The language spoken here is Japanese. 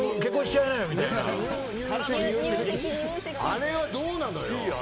あれはどうなのよ。